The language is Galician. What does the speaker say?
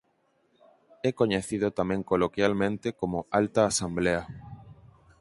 É coñecido tamén coloquialmente como Alta Asemblea.